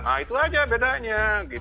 nah itu aja bedanya